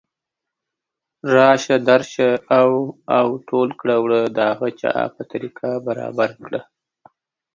راشه درشه او او ټول کړه وړه د هغه چا په طریقه برابر کړه